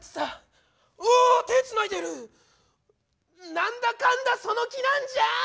何だかんだその気なんじゃん！